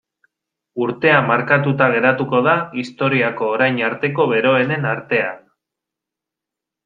Urtea markatuta geratuko da historiako orain arteko beroenen artean.